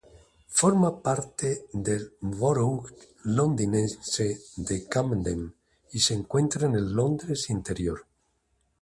Forma parte del "borough" londinense de Camden, y se encuentra en el Londres interior.